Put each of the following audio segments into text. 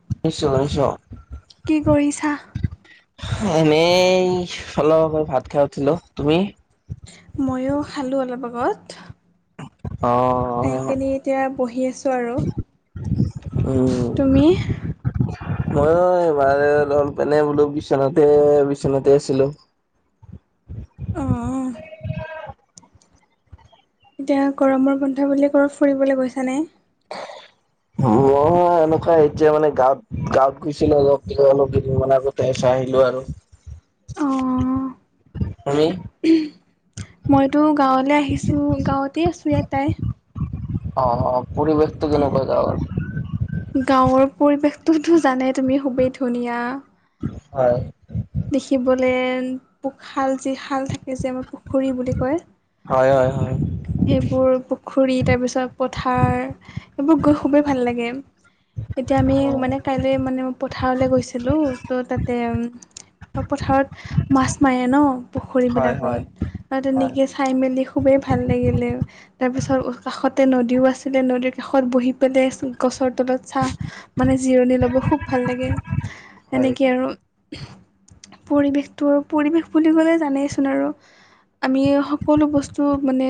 [unintelligible] কি কৰিছা? এনেই ফলগৈ ভাত খাই উঠিলো তুমি ময়ো খালোঁ অলপ আগত অ খাই কিনি এতিয়া বহি আছোঁ আৰু তুমি ময়োএইবাৰ বোলোঁ অলপিনে [unintelligible] বোলো বিচনাতে বিচনাতে আছিলো অ', এতিয়া গৰমৰ বন্ধ বুলি ক'ৰব ফুৰিবলৈ গৈছা নে [unintelligible] এনেকুৱা [unintelligible] এতিয়া মানে গাঁৱত গাঁৱত গৈছিলো অলপ অলপ কেইদিনমান আগতে এচ আহিলো আৰু তুমি মইতো গাঁৱলে আহিছোঁ গাঁৱতেই আছো ইয়াত তাই অ অ পৰিৱেশটো কেনেকুৱা গাঁৱৰ গাঁৱৰ পৰিৱেশটোতো জনাই তুমি খুবেই ধুনীয়া। হয়। দেখিবলে পোশাল যিশাল থাকে যে আমাৰ পুখুৰী বুলি কয়। হয়, হয়, হয়। সেইবোৰ পুখুৰী তাৰ পিছত পথাৰ এইবোৰ গৈ খুবেই ভাল লাগে। এতিয়া আমি অ মানে কাইলৈ মানে পথাৰলে গৈছিলোঁ তো তাতে পথাৰত মাছ মাৰে ন হয় পুখুৰীবিলাকত হয় আৰু হয় তেনেকে চাই মেলি খুবেই ভাল লাগিল লেও তাৰ পিছত কাষতে নদীও আছিলে নদীৰ কাষত বহি পেলাই গছৰ তলত চাহ মানে জিৰণি লব খুব ভাল লাগে হয় সেনেকে আৰু পৰিৱেশটোও, পৰিৱেশ বুলি কলে জানেইচোন আৰু। আমি সকলো বস্তু মানে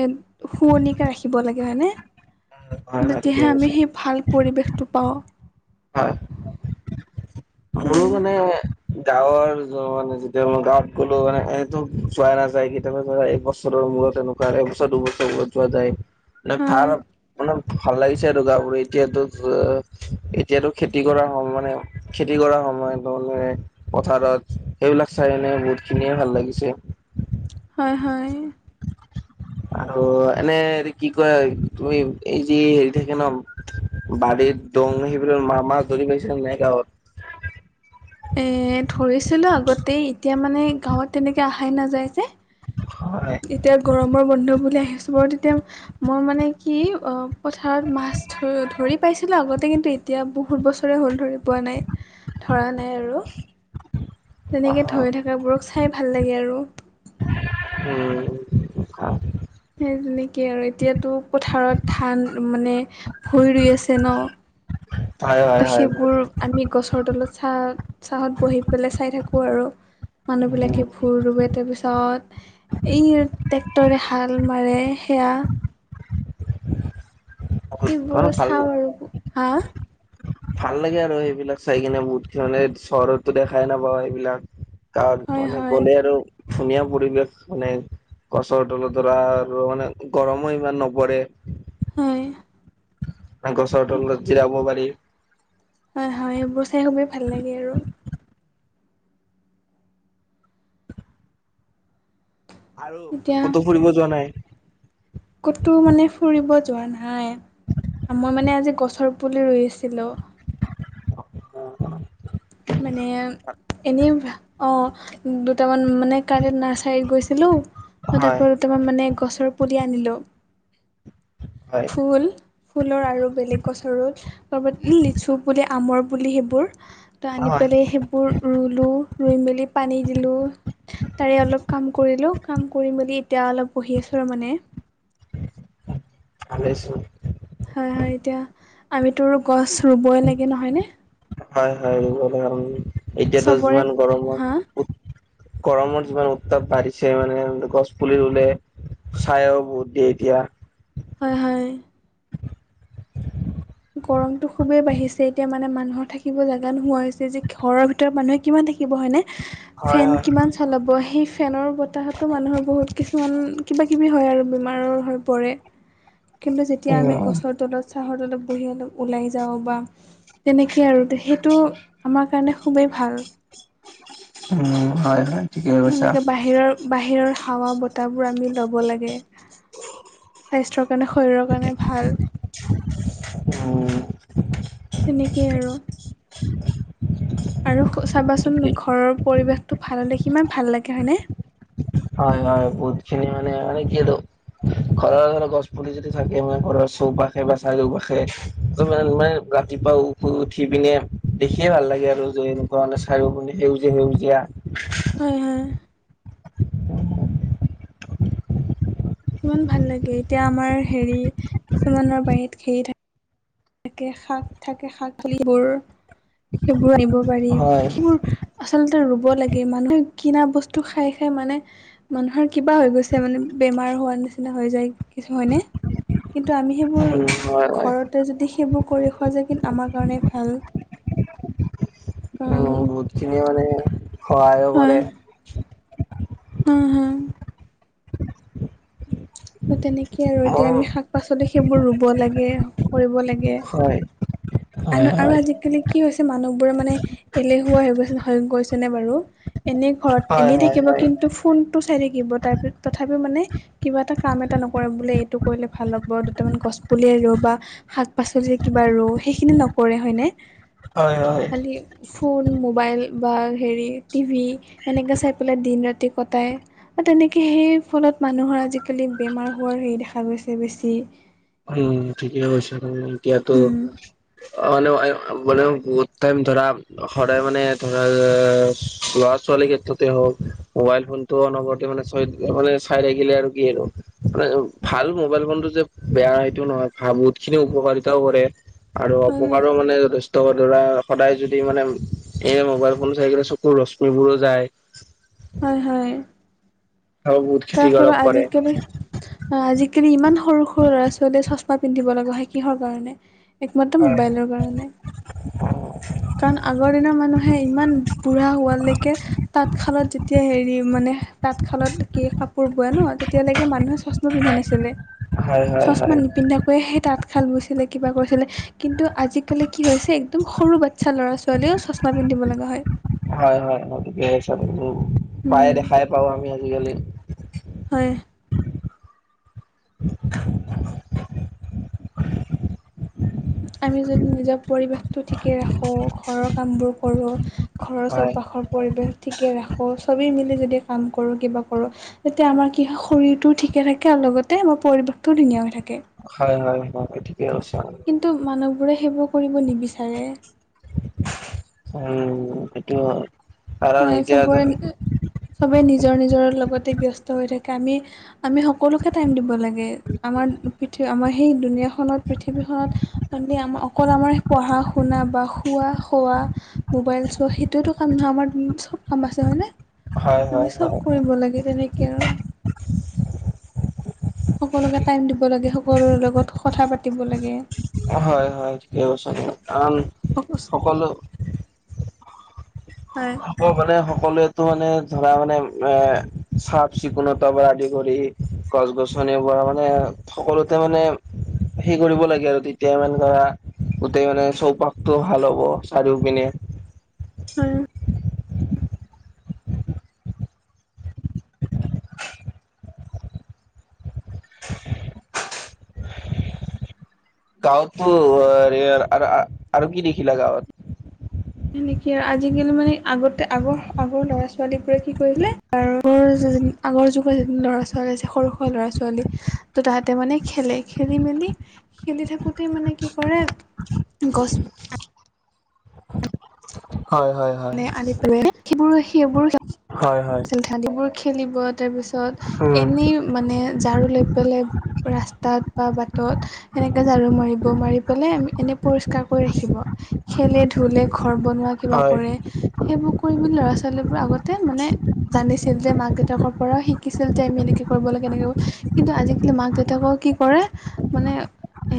শুৱনিকৈ ৰাখিব লাগে হয়নে? হয় হয় ঠিকে তেতিয়াহে কৈছা আমি সেই ভাল পৰিৱেশটো পাওঁ। হয়। মোৰ হয় মানে গাঁৱৰ য মানে যেতিয়া মই গাঁৱত গ'লো মানে এইটো যোৱা নাযায় কেতিয়াবা ধৰা এক বছৰ মূৰত এনেকুৱা, এক বছৰ দু বছৰ মূৰত যোৱা যায়। মনে হয় ভাল ভাল লাগিছে আৰু গাঁওবোৰ এতিয়াতো অ, এতিয়াতো খেতি কৰা হল মানে খেতি কৰা সময়ত নহলে পথাৰত সেইবিলাক চাই এনে বহুত খিনিয়ে ভাল লাগিছে। হয়, হয়। আৰু এনে কি কয় তুমি এই যি হেৰি থাকে ন? বাৰীত দং সেইবিলাক মামা যৰি পাইছে নাই গাঁৱত? এ ধৰিছিলোঁ আগতে এতিয়া মানে গাঁৱত তেনেকে আহাই নাযায় যে। হয়। তেতিয়া গৰমৰ বন্ধ বুলি আহিছোঁ বাৰু তেতিয়া মই মানে কি অ পথাৰত মাছ ধ ধৰি পাইছিলোঁ আগতে কিন্তু এতিয়া বহুত বছৰ বছৰে হল ধৰি পোৱা নাই ধৰা নাই আৰু। হেনেকে ধৰি থাকা বোৰক চাই চাই ভাল লাগে আৰু। উম। সেই তেনেকে আৰু। এতিয়াতো পথাৰত ধান মানে ভূঁই ৰুই আছে ন? হয় হয় তো হয় সেইবোৰ আমি গছৰ তলত চাহ চাহত বহি পেলাই চাই থাকোঁ আৰু। মানুহ উম বিলাকে ভুই ৰুয়ে তাৰ পিছত এই ট্ৰেক্টৰে হাল মাৰে সেয়া। বহুত সেইবোৰ মানে ভাল চাওঁ আৰু। হা? ভাল লাগে আৰু সেইবিলাক চাই কিনে বহুত মানে চহৰতো দেখাই নাপাওঁ সেইবিলাক। ত হয় মানে হয় গ'লে আৰু ধুনীয়া পৰিৱেশ মানে গছৰ তলত ধৰা আৰু মানে গৰমো ইমান নপৰে। হয়। গছৰ তলত জিৰাব পাৰি। হয়, হয়, এইবোৰ চাই খুবেই ভাল লাগে আৰু। আৰু এতিয়া কতো ফুৰিব যোৱা নাই? ক'তো মানে ফুৰিব যোৱা নাই, মই মানে আজি গছৰ পুলি ৰুইছিলোঁ। [unintelligible] মানে, এনেই অ' দুটামান মানে [unintelligible] নাৰ্চাৰিতত গৈছিলোঁ, তাৰ হয় পৰা দুটামান মানে গছৰ পুলি আনিলোঁ। হয় ফুল ফুলৰ আৰু বেলেগ গছৰো। লগত লিচু পুলি, আমৰ পুলি সেইবোৰ। ত আনি হয় পেলাই সেইবোৰ ৰুলোঁ, ৰুই মেলি পানী দিলোঁ। তাৰে অলপ কাম কৰিলোঁ, কাম কৰি মেলি এতিয়া অলপ বহি আছোঁ আৰু মানে। ভালেচুন। হয়, হয় এতিয়া, আমিতো গছ ৰুবই লাগে নহয় নে? হয়, হয় [unintelligible] এতিয়াতো চবৰে যিমান গৰমত হা গৰমৰ যিমান উত্তাপ বাঢ়িছে মানে গছপুলি ৰুলে চাইও বহুত দিয়ে এতিয়া। হয়, হয়। গৰমতটো খুবেই বাঢ়িছে এতিয়া মানে মানুহৰ থাকিব জেগা নোহোৱা হৈছে যে, ঘৰৰ ভিতৰত মানুহে কিমান থাকিব হয়নে? হয় ফেন হয়। কিমান লব সেই ফেনৰ বতাহতো মানুহৰ বহুত কিছুমান কিবা কিবি হয় আৰু বেমাৰৰ হৈ পৰে। [unintelligible] কিন্তু যেতিয়া আমি উম গছৰ তলত চাহৰ তলত পঢ়ি অলপ ওলাই যাওঁ বা তেনেকেই আৰু সেইটো আমাৰ কাৰণে খুবেই ভাল। উম, হয়, হয়। ঠিকে কৈছা। এনেকে বাহিৰৰ-বাহিৰৰ হাৱা বতাবোৰ আমি ল'ব লাগে। স্বাস্থ্যৰ কাৰণে শৰীৰৰ কাৰণে ভাল। উম। তেনেকেই আৰু। আৰু চাবাচোন ঘৰৰ পৰিৱেশটো ভাল হলে কিমান ভাল লাগে হয়নে? হয়, হয় বহুতখিনি মানে আৰু কি আৰু ঘৰৰ ধৰা গছ পুলি যদি থাকে মানে ঘৰৰ চৌপাশে বা চাৰিওপাশে, তোমাৰ মানে ৰাতিপুৱা শুই উঠি পিনে দেখিয়ে ভাল লাগে আৰু যে এনেকুৱা মানে চাইও পিনে সেউজীয়া-সেউজীয়া। হয়, হয়। কিমান ভাল লাগে এতিয়া আমাৰ হেৰি কিছুমানৰ বাৰীত খেৰি থাকে। থাকে শাক থাকে শাকপাঁচলিবোৰ সেইবোৰ আনিব পাৰি, হয়। সেইবোৰ আচলতে ৰুব লাগে মানুহে কিনা বস্তু খাই-খাই মানে মানুহৰ কিবা হৈ গৈছে মানে বেমাৰ হোৱা নিচিনা হৈ যায় কিছু হয়নে? কিন্তু আমি সেইবোৰ উম হয় হয় ঘৰতে যদি সেইবোৰ কৰি খোৱা যায় কিন্তু আমাৰ কাৰণে ভাল। কাৰণ উম, বহুতখিনিয়ে মানে সহায়ো কৰে। উম, হুম। ত তেনেকেইে আৰু এতিয়া মই আমি শাক পাচলি সেইবোৰ ৰুব লাগে, কৰিব লাগে। হয়। আন হয় আৰু হয় আজিকালি কি হৈছে মানুহবোৰে মানে এলেহুৱা হৈ গৈছে, হৈ গৈছে নে বাৰু? এনেই ঘৰত হয় এনেই হয় থাকিব কিন্তু ফোনটো চাই থাকিব তাৰপি তথাপিও মানে কিবা এটা কাম এটা নকৰে বোলে এইটো কৰিলে ভাল হব দুটামান গছ পুলিয়েই ৰোওঁ বা শাক পাচলি কিবা বা ৰোওঁ, সেইখিনি নকৰে হয়নে? হয় হয় হয় খালি ফোন মোবাইল বা হেৰি টিভি সেনেকৈ চাই পেলাই দিন ৰাতি কটাই। তেনেকে সেই ফলত মানুহৰ আজিকালি বেমাৰ হোৱাৰ হেৰি দেখা গৈছে বেছি। উম, ঠিকেই কৈছা তুমি এতিয়াতো উম অ', মানেও বহুত টাইম ধৰা সদায় মানে ধৰা যে ল'ৰা ছোৱালীৰ ক্ষেত্ৰতে হওঁক, মোবাইল ফোন তো অনৱৰতে মানে চাই মানে চাই থাকিলে আৰু কি আৰু মানে ভাল মোবাইল ফোনটো যে বেয়া সেইটো নহয় ভাল‌ বহুত খিনি উপকাৰিতাও কৰে। আৰু হয় হয় অপকাৰো মানে যথেষ্ট ধৰা সদায় যদি মানে এই মোবাইল ফোন চাই কিনে চকুৰ ৰশ্মিবোৰো যায়। হয়, হয়। আৰু বহুত তাৰ ক্ষতিকাৰক ফলত কৰে আজিকালি আজিকালি ইমান সৰু-সৰু ল'ৰা ছোৱালীয়ে চশমা পিন্ধিব লগা হয় কিহৰ কাৰণে একমাত্ৰ মোবাইলৰ কাৰণে। কাৰণ আগৰ দিনৰ মানুহে ইমান বুঢ়া হোৱালৈকে তাঁতশালত যেতিয়া হেৰি মানে তাঁতশালত কি কাপোৰ বোৱে ন তেতিয়ালৈকে মানুহে চচামা পিন্ধা নাছিলে, হয় হয় হয় চচমা হয় নিপিন্ধাকৈ কৈ সেই তাঁতশাল ব‌ইছিলে কিবা কৰিছিলে। কিন্তু আজিকালি কি হৈছে একদম সৰু বাচ্ছা ল'ৰা ছোৱালীও চছমা পিন্ধিব লগা হয়। হয়, হয়, হয়, ঠিকে কৈছা তুমি উম, প্ৰাই উম দেখাই পাও আমি আজিকালি। হয়। [inaudible] আমি যদি নিজৰ পৰিৱেশতটো ঠিকে ৰাখো ঘৰৰ কামবোৰ কৰো। ঘৰৰ হয় চৌপাশৰ পৰিৱেশ ঠিকে ৰাখোঁ চবেই মিলি যদি কাম কৰোঁ কিবা কৰোঁ। তেতিয়া আমাৰ কি হয় শৰীৰটোও ঠিকে থাকে আৰু লগতে আমাৰ পৰিৱেশটোও ধুনীয়া হৈ থাকে। হয়, হয়, হয় ঠিকে কৈছা তুমি। কিন্তু মানুহবোৰে সেইবোৰ কৰিব নিবিচাৰে। উম, সেইটো হয় কাৰণ হয় এতিয়া চবৰে চবেই নিজৰ - নিজৰ লগতে ব্যস্ত হৈ থাকে আমি - আমি সকলোকে টাইম দিব লাগে। আমাৰ পৃথিৱী আমাৰ সেই দুুনীয়াখনত পৃথিৱীখন মানে আমাৰ অকল আমাৰ পঢ়া শুনা বা শুৱা খোৱা মোবাইল চোৱা সেইটোতো কাৰণ নহয় আমাৰ। চব কাম আছে হয়নে হয় হয় আমি চব হয় কৰিব লাগে তেনেকৈ আৰু। সকলোকে টাইম দিব লাগে। সকলোৰ লগত কথা পাতিব লাগে। হয়-হয় ঠিকে কৈছা আন সকলো হয় [inaudible] মানে সকলোৱেতো মানে ধৰা মানে এ চাফ চিকুণতাৰ পৰা আদি কৰি গছ-গছনি পৰা মানে সকলোতে মানে সেই কৰিব লাগে আৰু তেতিয়া মানে কৰা গোটেই মানে চৌপাশতটো ভাল হ'ব চাৰিও পিনে। হয়। গাঁৱততো আৰ-আৰ-আৰ আৰু কি দেখিলা গাঁৱত? সেনেকে আজিকালি মানে আগতে আগৰ - আগৰ ল'ৰা ছোৱালীবোৰে কি কৰিলে আৰু যে আগৰ যুগৰ যি ল'ৰা ছোৱালী আছে সৰু সুৰা ল'ৰা ছোৱালী তুতাহতে মানে খেলে খেলি মেলি খেলি থাকোতে মানে কি কৰে গছ হয় - হয়। হয় মানে আনি পেলাই সেইবোৰ - সেইবোৰ [unintelligible] হয়-হয়। সিহঁতিবোৰ খেলিব তাৰপিছত উম এনেই মানে ঝাৰু লৈ পেলাই ৰাস্তাত বা বাটত সেনেকে ঝাৰু মাৰিব ৰিব মাৰি পেলাই এনে পৰিষ্কাৰ কৰি ৰাখিব। খেলে ধূলে ঘৰ বনোৱা কিবা হয় কৰে সেইবোৰ কৰি মেলি ল'ৰা ছোৱালীবোৰ আগতে মানে জানিছিল যে মাক দেউতাকৰ পৰাও শিকিছিল যে আমি এনেকে কৰিব লাগে এনেকে কিন্তু আজিকালি মাক দেউতাক কি কৰে মানে এ,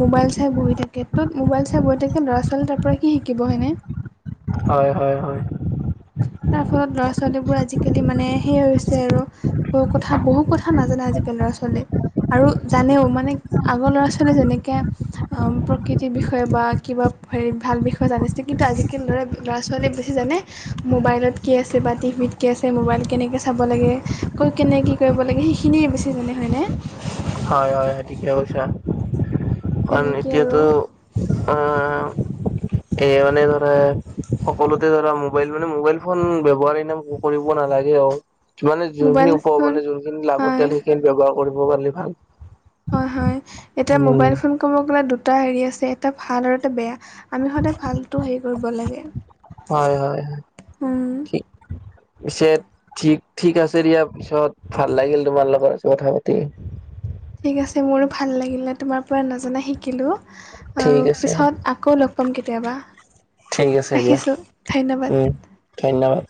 মোবাইল চাই বহি থাকে ত'ত মোবাইল চাই বহি থাকে ল'ৰা ছোৱালী তাৰপৰা কি শিকিব হয়নে। হয় - হয় - হয়। তাৰ ফলত ল'ৰা ছোৱালীবোৰ আজিকালি মানে সেইয় হৈছে আৰু ব কথা বহু কথা নাজানে আজিকালি ল'ৰা ছোৱালীয়ে। আৰু জানেও মানে আগৰ ল'ৰা ছোৱালীয়ে যেনেকে প্ৰকৃতিৰ বিষয়ে বা কিবা হে ভাল বিষয়ে জানিছে কিন্তু আজিকালি ল'ৰা - ল'ৰা ছোৱালী ছোৱালী বেছি জানে মোবাইলত কি আছে বা টিভিত কি আছে মোবাইল কেনেকৈ চাব লাগে। কেনে কি কৰিব লাগে সেইখিনিয়ে বেছি জানে হয়নে। হয়-হয় ঠিকে কৈছো কাৰণ তেনেকে আৰু এতিয়াতো উম, এই মানে ধৰা সকলোতে ধৰা মোবাইল মানে মোবাইল ফোন ব্যৱহাৰ ন কৰিব নালাগে আৰু মানে যোনখিনি মোবাইল উপ ফোন মানে যোনখিনি লাগতিয়াল হয় সেইখিনি ব্যৱহাৰ কৰিব পাৰিলে ভাল। হয়-হয় এতিয়া উম। মোবাইল ফোন কব গলে দুটা হেৰি আছে এটা ভাল আৰু এটা বেয়া। আমি সদায় ভালটো হেৰি কৰিব লাগে হয় হয় হয় উম, ঠিক পিছে ঠিক ঠিক আছে দিয়া পিছত ভাল লাগিল তোমাৰ লগত কথা পাতি। ঠিক আছে মোৰো ভাল লাগিলে তোমাৰ পৰা নজনা শিকিলোঁ। ঠিক আৰু আছে পিছত আকৌ লগ পাম কেতিয়াবা ঠিক আছে দিয়া ৰাখিছোঁ ধন্যবাদ। উম ধন্যবাদ।